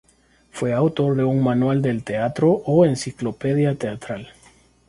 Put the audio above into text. Fue autor de un "Manual del teatro ó enciclopedia teatral".